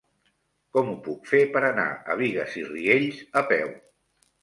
Com ho puc fer per anar a Bigues i Riells a peu?